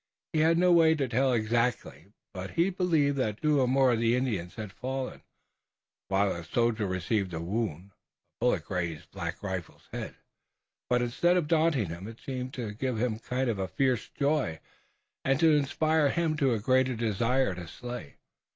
He had no way to tell exactly, but he believed that two more of the Indians had fallen, while a soldier received a wound. A bullet grazed Black Rifle's head, but instead of daunting him it seemed to give him a kind of fierce joy, and to inspire in him a greater desire to slay.